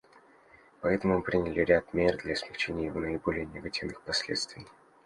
Поэтому мы приняли ряд мер для смягчения его наиболее негативных последствий.